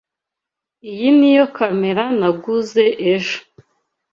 Iyi niyo kamera naguze ejo.